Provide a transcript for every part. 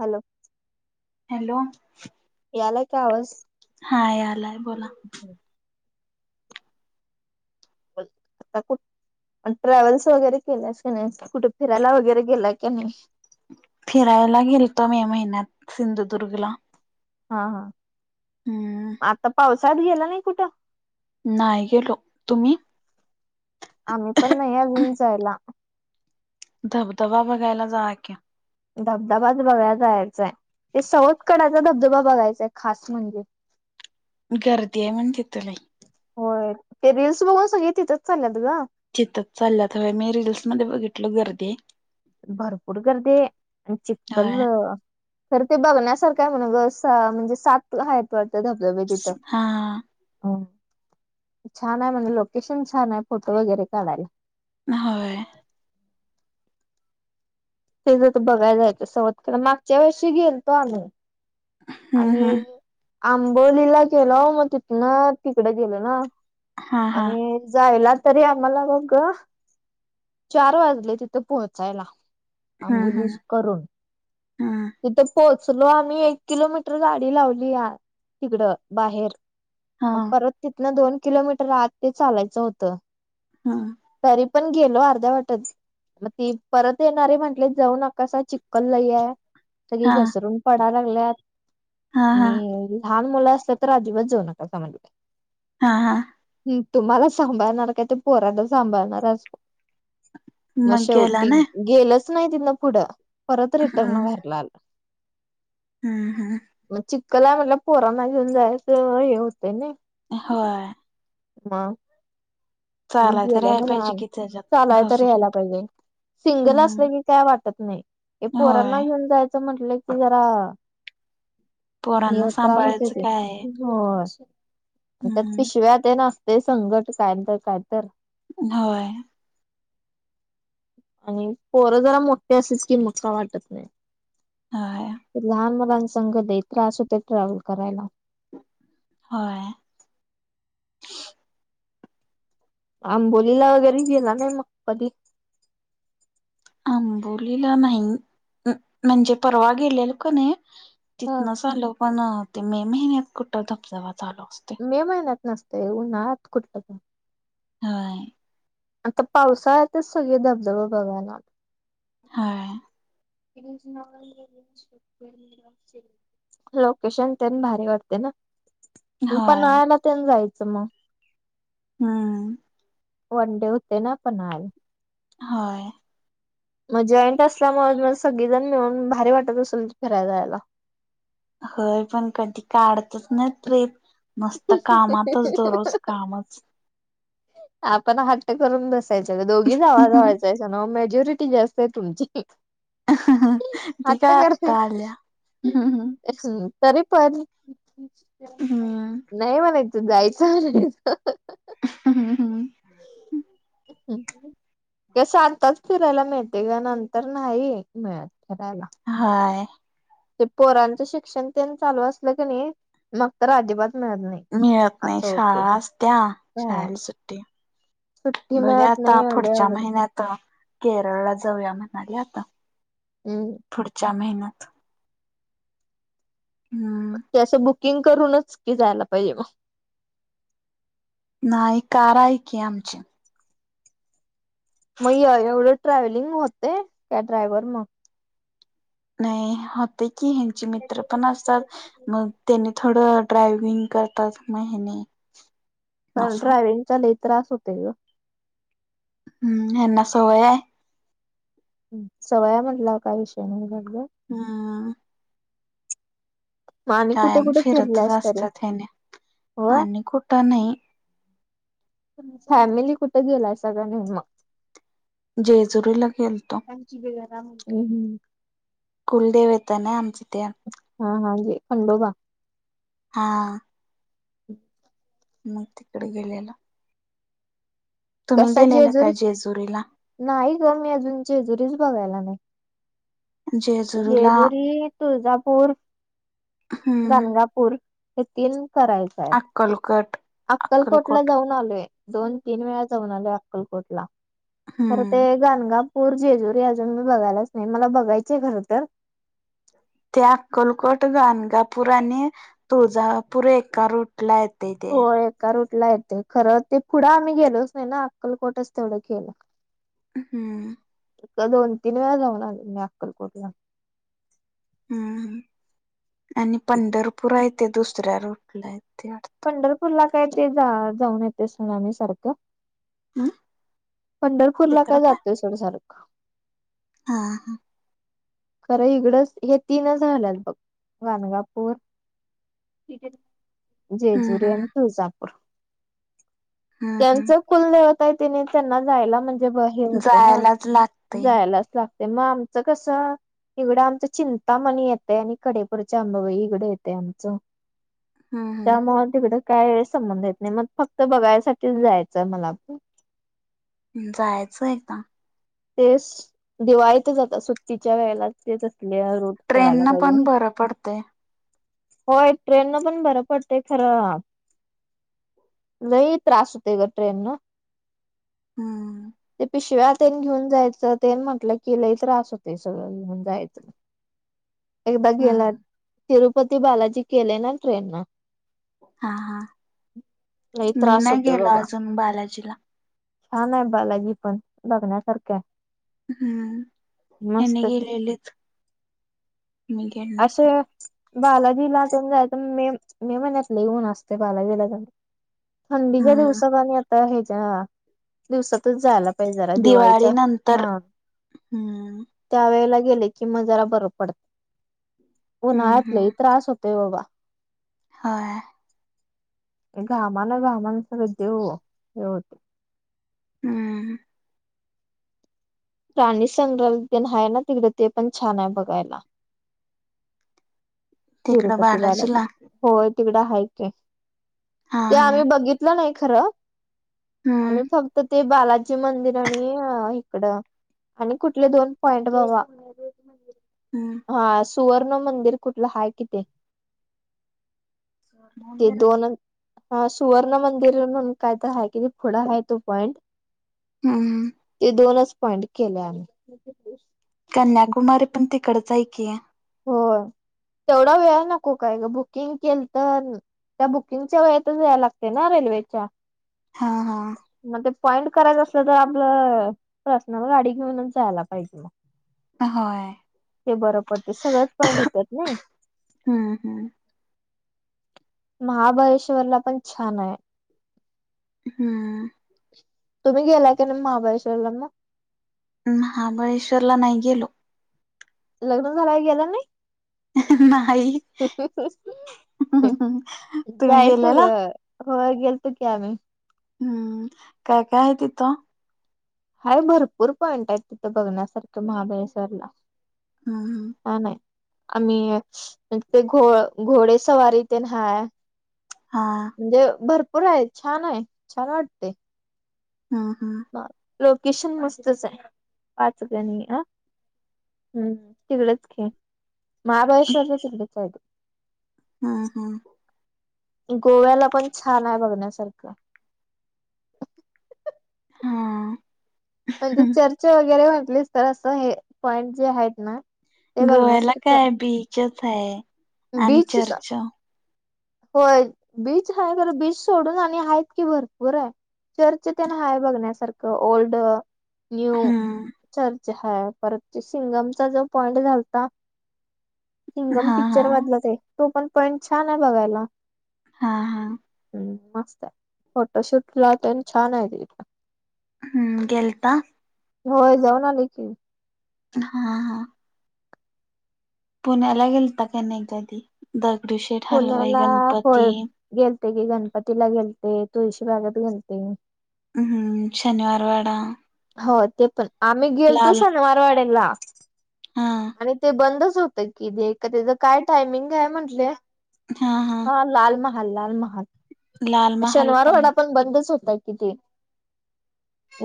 Hello hello याला काय आवाज? हा यालाय बोला आता कुठ ट्रॅव्हल्स वगैरे केल्यास की नाही कुठे फिरायला वगैरे गेलाय की नाही? फिरायला गेलतो मे महिन्यात सिंधुदुर्गला. हा हा हम्म आता पावसाळ्यात गेला नाही कुठं? नाही गेलो तुम्ही? आम्ही पण नाही अजून जायला. धबधबा बघायला जावा की. धबधबाच बघायला जायचाय ते सवत कडाचा धबधबा बघायचाय खास म्हणजे. गर्दी आहे म्हण तिथं लई. होय ते रील्स बघून सगळी तिथंच चालल्यात ग. चितच चालल्यात होय मी रीलस मध्ये बघितलो गर्दी आहे. भरपूर गर्दी आहे आणि चिखल होय अ तर ते बघण्यासारखं आहे न ग स अ म्हणजे सात आहेत वाटतं धबधबे तिथं. हा ह छान आहे म्हणजे लोकेशन छान आहे फोटो वगैरे काढायला. होय तेज आता बघाय जायचं सवत कडा मागच्या वर्षी गेलतो आम्ही. हम्म आणि हम्म आंबोलीला गेलो मग तिथन तिकड गेलो ना. हा हा आणि जायला तरी आम्हाला बघ चार वाजले तिथ पोहोचायला. हम्म आंबोलीस हम्म करून हम्म तिथे पोहोचलो आम्ही एक किलोमीटर गाडी लावली या तिकडं बाहेर हा मग परत तिथनं दोन किलोमीटर आत ते चालायचं होतं. हम्म तरी पण गेलो अर्ध्या वाटत मग ती परत येणारे म्हंटले जाऊ नकासा चिककल लई आहे. सगळी हा घसरून पडा लागल्यात. हा हा आणि लहान मुलं असल्या तर अजिबात जाऊ नकासा म्हणलं. हा हा हम तुम्हाला सांभाळणार काय ते पोराला सांभाळणार असं मग गेला शेवटी ना गेलच नाही तिन पुढं परत रिटर्न हम्म घरला आलो. हम्म हम मग चिक्कल हाय म्हणल्यावर, पोरांना घेऊन जायचं हे होतंय ना होय. माव. मग चालाय तर गेलंय याय मन पाहिजे आज कि त्याच्यात चालाय तर घसरून यायला पाहिजे. सिंगल हम्म आसलं की काय वाटत नाही, हे पोरांना होय घेऊन जायचं म्हटलं की जरा पोरांना हे त्रास होतोय सांभाळायचं की. काय आहे. होयं. त्यात हम्म पिशव्या तेन असतंय संगट, कायंत कायतर. होय. आणि पोरं जरा मोट्टी अशीच की मग काय वाटत नाय. होय लहान मुलांसंग लई त्रास होतो, ट्रॅव्हल करायला. होय. आंबोलीला वगैरे गेला का नाय मग कधी? आंबोलीला नाही. उ म्हणजे परवा गेलेलो कनय ह तिथनंच आलो पण ते मे महिन्यात कुठं धबधबा चालू असतोय. मे महिन्यात नसतंय. उन्हाळ्यात कुटं धबधबा. हाय. आता पावसाळ्यातच सगळे धबधबे बघणार. हां. [unintelligible] ह्यो शंकर महाराज वाटतो ना? होय पन्हाळ्याला पण जायचं मग. हूं. वन डे होतंय ना पन्हाळ. होय. मग जॉईंट असल्यामुळं म सगळीजण मिळून भारी वाटत असंल की फिरायला जायाला. होय पण कधी काढतच नाही ट्रिप. नुसतं कामातच, दररोज कामच. आपण हट्ट करून बसायचं. दोघी जावा जावाचायस ना मग मेजोरिटी ती जास्त आहे तुमची. ती हट्ट काय करा. आत्ता आल्या हम्म तरी पण. हम्म नव्हं, जायचं [unintelligible] [unintelligible] ते शांतच फिरायला मिळते. या नंतर नाही हे मिळत फिरायला. हाय! ते पोरांचं शिक्षण तेन चालू असलं कनी, मग तर अजिबात मिळत नाई. मिळत नाही. शाळा असत्या, हो शाळेल सुट्टी सुट्टी बघू मिळत नाही आता, लय पुढच्या अवघड महिन्यात, केरळला जाऊया म्हणाले आता. ऊं पुढच्या महिन्यात. हम्म ते असं बुक किंग करूनच की जायला पाहिजे मग. न्हाई, कार आहे की आमची. मग एवढं ट्रॅव्हलिंग होतंय? का ड्रायव्हर न्हाय. नाही, होतंय की. ह्यांचे मित्र पण असतात. मग त्यानी थोडावेळ ड्रायविंग करतात म हिने. ह ड्रायविंगचा लय त्रास होते ग हम्म ह्याना सवय आहे सवय हाय म्हटला का विषय नाही हम् मग आणि कुठे कायम कुठे फिरत फिरल्यास तरी असतात ह्यांनी होय आणि कुठं नाही फॅमिली कुठे गेलाय सगळ घेऊन मग जेजुरीला गेलतो. त्यांची जगरा [unintelligible] म्हण कुलदेवत आहे ना आमच्या ते हा हा म्हणजे खंडोबा हां हम् [unintelligible] मग तिकडे गेलेलो तुम्ही कसा गेलेला का जेजुरी जेजुरीला नाही ग मी अजून जेजुरीच बघायला नाही जेजुरीला जेजुरी तुळजापूर हम्म गाणगापूर पूर हे तीन करायच आहेत अक्कलकट अक्कलकोट ला जाऊन आलोय दोन तीन वेळा जाऊन आले अक्कलकोटला तर ते हम्म गाणगा [inaudible] पूर जेजूरी अजून मी बघायलाच नाही. मला बघायचं खर तर त्या अक्कलकोट गानगापूर आणि तुळजापूर एका रूट ला येते ते हो एका रूट ला येते खर ते पुढं आम्ही गेलोच नाही ना अक्कलकोटच तेवढं केेलं हम्म [unintelligible] दोन तीन वेळा जाऊन आले मी अक्कलकोटला हम्म आणि पंढरपूर आहे ते दुसऱ्या रूटला ते [unintelligible] पंढरपूरला काय ते जा जाऊन येते ना आम्ही सारखं हम पंढरपूरला काय जातोय सोड सारखं हा हा खरं इकडंच हे तीनच झाल्यात बघ गानगापूर हम्म जेजुरी हम्म आणि तुळजापूर हम्म त्यांच हम्म कुलदेवता आहे तिने त्यांना जायला म्हणज [unintelligible] जेव [unintelligible] हे होते ना जायलाच लागतय जायलाच लागते. मग आमचं कसं इकडं आमचं चिंतामणी येतय आणि कडेपूरच्या अंबाबाई इकड येतय आमचं हम्म त्यामुळे तिकडे काय संबंध येत नाही मग फक्त बघायसाठी च जायचं आहे मला पण जायचं एकदा [inaudible] तेच दिवाळीत जातात सुट्टच्या वेळेला तेच असले रूठ ट्रेन करायला न पण पाहिजे बरं पडतय होय ट्रेन न पण बर पडतेय खरं लय त्रास होते ग ट्रेन न हम्म ते पिशव्या ते घेऊन जायचं ते म्हटलं की लय त्रास होतय सगळं घेऊन जायचं एकदा गेलात हम्म तिरुपती बालाजी केलय ना ट्रेन न हा हा लई मी त्रास नाही होतोय गेलो बाबा अजून बालाजीला. छान आहे बालाजी पण बघण्यासारखं आहे. हम्म ह्यांनी मस्तच गेलेलेेत. असे बालाजीला तेन जायच मे, मे महिन्यात लई ऊन असतय बालाजीला जाऊ थंडीच्या हम्म दिवसात आणि आता ह्येच्या, दिवसात जायला जरा दिवाळीत दिवाळी नंतर हा हम्म त्या वेळेला गेल की मग जरा बर पडत हम्म उन्हाळ्यात लई त्रास होतेय बाबा होयं घामानघामान सगळ ते वो हे होतंय हम् प्राणी संग्रहालय तेन हाय ना तिकडं ते पण छान हाय बघायला. तिकडं तिरूपती बालााजी बालाजीला होय तिकडं हाय की हा ते हा आम्ही बघितलं नाही खरं हम्म आम्ही फक्त ते बालाजी मंदिर आणि हीकड आणि कुठलं दोन पॉइंट बघा हम्म हा सुवर्ण मंदिर कुठलं हाय की ते ते मंदिर. दोन हा सुवर्ण मंदिर म्हणून काय तर हाय कि पुढं हाय तो पॉइंट हम्म ते दोनच पॉइंट केलयं आम्ही कन्याकुमारी पण तिकडच हाय की होय तेवढा वेळ नको काय गं बुकिंग केलत न त्या बुकिंगच्या वेळेतच जायाय लागतयं ना रेल्वेच्या? हां, हां मग ते पॉइंट करायचं असलं तर आपलं, पर्सनल गाडी घेऊनच जायला पाहिजे म होय ते बरं पडतयं सगळच पॉईंट हुत्यात नयी हम्म हम महाबळेश्वरला पण छान हाय हम्म तुम्ही गेलाय का नाही महाबळेश्वरला म? महाबळेश्वरला नाही गेलो. लग्न झाल्यावर गेलो नाही? [unintelligible] नाही, तुम्ही जायचं ग गेलेला? होय गेलतो कि आम्ही हम्म, काय काय हाय तिथं? हाय भरपूर पॉईंट आहेत तिथं बघण्यासारख्या महाबळेश्वरला हम्मं छान हाय आम्ही, ते घो, घोडे सवारी तेन हाय हां म्हणजे भरपूर हाय, छान हाय छान वाटतयं हा हा ह लोकेशन मस्तच हाय पाचगणी हा तिकडच कि माहाबळेश्वरच्या तिकडच हाय बघ हा हा गोव्याला पण छान आहे बघण्यासारखं. हां. म्हणजे चर्चा वगैरे म्हटलीस तर असं हे पॉईंट जे आहेत ना. ते गोव्याला काय बघण्यासारखं बीचच आहे आणि बीच चर्च. होय बीच आहे बरं बीच सोडून आणि आहेत की भरपूर आहे. चर्च पण हाय बघण्यासारखं ओल्ड न्यू हम्म चर्च हाय परत तो सिंगमचा जो पॉइंट झालता सिंगम हा हा पिक्चर मधलाच आहे तो पण पॉईंट छान आहे बघायला. हा हा. हम्म मस्त आहे फोटोशूट ला पण छान आहे तिथं हम्म गेलता. होय जाऊन आले की. उम्म हां हा. पुण्याला गेलता का नाही कधी? दगडू शेठ हलवाई पुण्याला गणपती. होय गेलते की गणपतीला गेलते तुळशी बागेत गेलते. हम्म शनिवारवाडा. हो ते पण आम्ही गेलतो लाल शनिवारवाड्याला हा आणि ते बंदच होत. तर कि ते का त्याचं काय टायमिंग काय म्हंटले? हां हा. हा लाल महाल, लाल महाल लाल महाल शनिवारवाडा पण बंदच होता. की ती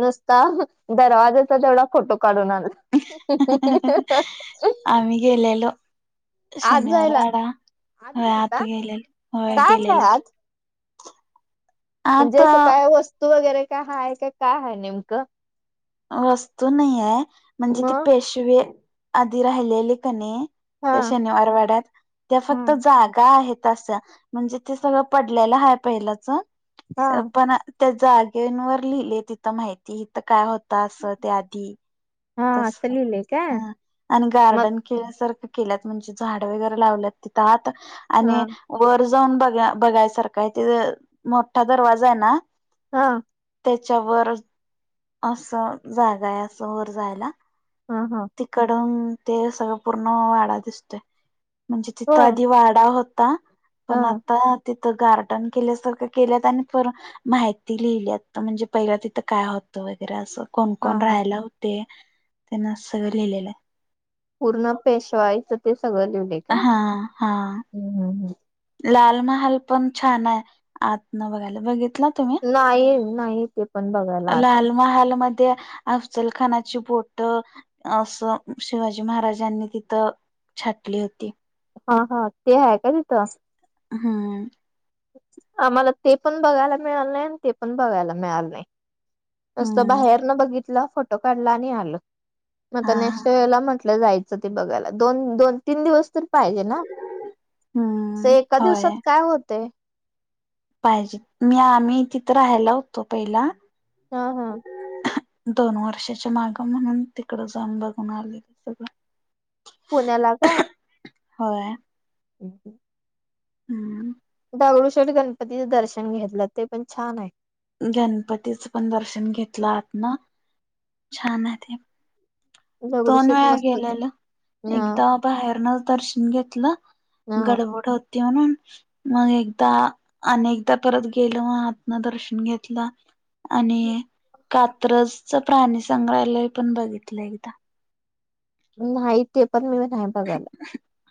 नुसता दरवाज्याचा तेवढा फोटो काढून आनला. हं, हं, हं, हं. आम्ही गेलेलो. आत जायला शनिवारवाडा आत होय गेलता गेलेलो मग होय आत काय गेलेलो की आत? म्हणजे आता असं काय वस्तू वगैरे काय आहे का? काय आहे नेमकं? वस्तू नाही आहे. म्हणजे ते मग पेशवे आधी राहिलेले कनी हा त्या शनिवारवाड्यात त्या हा फक्त जागा आहेत त अशा म्हणजे ते सगळं पडलेलं पहिलंच हा अ पण अ त्या जागेनवर लिहिले तिथं माहिती हित काय होत असं त्या आधी हा [inaudible] असं तसं लिहिलंय काय हम्म आणि मग गार्डन केल्यासारख केल्यात म्हणजे झाडं वगैरे लावल्यात तिथं आत हा आणि वर जाऊन बघा बघायसारख आहे तिथं मोठा दरवाजा आहे ना हा. त्याच्यावर असं जागा ये असं वर जायला. ह ह. तिकडून ते सगळं पूर्ण वाडा दिसतोय. म्हणजे तिथं होय आधी वाडा होता. हा पण आता तिथं गार्डन केल्या सारख केल्यात आणि [unintelligible] माहिती लिहिल्यात म्हणजे पहिल तिथं काय होतं वगैरे असं. कोण हा कोण हा राहायला होते. त्यांना असं सगळं लिहिलेलं आहे. पूर्ण पेशवाइचं ते सगळं लिवलय. आहा हा. उम्म हम, हम. लाल महाल पण छान आहे. आतन बघायला बघितला तुम्ही नाही नाही ते पण बघायला आतन हाल मद त्या अफजल खानाची बोट. असं शिवाजी महाराजांनी तिथं छाटली होती. हा हा ते हाय का तिथं? हम्म. आम्हाला ते पण बघायला मिळालं नाही. आण ते पण बघायला मिळालं नाही. नुस्त हम्म बाहेर न बघितलं. फोटो काढला. आणि आलं. म आता हा हा नेक्स्ट वेळेला म्हटलं जायच ते बघायला. द दोन तीन दिवस तर पाहिजे ना? हम्म असे एका होय दिवसात काय होते? पाहिजे. मी आम्ही तिथं राहायला होतो पहिला. हा हा दोन वर्षाच्या माग. म्हणून तिकड जाऊन बघून आलोय सगळं. पुण्याला काय? होय. हम्म हम्म. हम्म. दडगडूशेठ गणपतीचं दर्शन घेतलं. ते पण छानाय. गणपतीच पण दर्शन घेतलं आतन. छाने ते. दोन दगडूशेठ वेळा मस्तच गेल्यालो. आहे. हा एकदा बाहेरनं दर्शन घेतलं. हा. गडबड होती म्हणून. मग एकदा अन एकदा परत गेलो मग आतन दर्शन घेतलं. आणि कात्रसच प्राणीसंग्रहालय पण बघितलंय. नाही ते पण मी नाही बघायला.